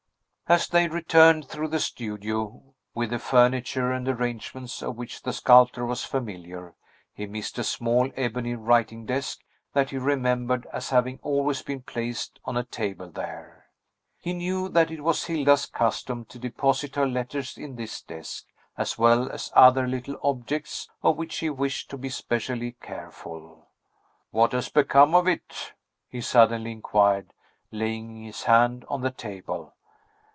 As they returned through the studio, with the furniture and arrangements of which the sculptor was familiar, he missed a small ebony writing desk that he remembered as having always been placed on a table there. He knew that it was Hilda's custom to deposit her letters in this desk, as well as other little objects of which she wished to be specially careful. "What has become of it?" he suddenly inquired, laying his hand on the table.